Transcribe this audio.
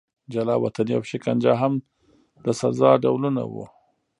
جلا وطني او شکنجه هم د سزا ډولونه وو.